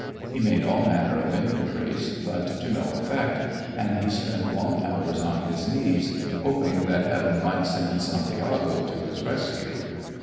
He made all manner of inquiries, but to no effect, and he spent long hours on his knees, hoping that Heaven might send Santiago to his rescue.